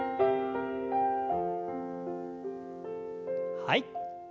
はい。